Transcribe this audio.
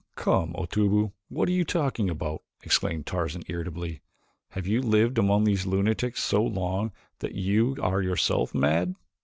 "Come, Otobu, what are you talking about?" exclaimed Tarzan irritably. "Have you lived among these lunatics so long that you are yourself mad?"